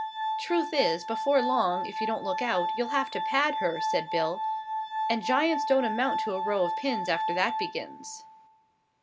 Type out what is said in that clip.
"Truth is, before long, if you don't look out, you'll have to pad her," said Bill; "and giants don't amount to a row of pins after that begins."